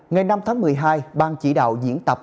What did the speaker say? ngày năm tháng một mươi hai ban chỉ đạo diễn tập